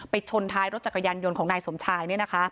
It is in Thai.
ชนท้ายรถจักรยานยนต์ของนายสมชาย